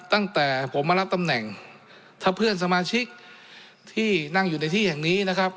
ตั้งแต่ผมมารับตำแหน่งถ้าเพื่อนสมาชิกที่นั่งอยู่ในที่แห่งนี้นะครับ